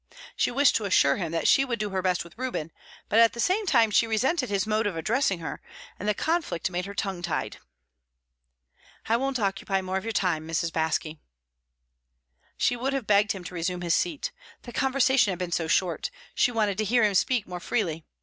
She wished to assure him that she would do her best with Reuben, but at the same time she resented his mode of addressing her, and the conflict made her tongue tied. "I won't occupy more of your time, Mrs. Baske." She would have begged him to resume his seat. The conversation had been so short; she wanted to hear him speak more freely.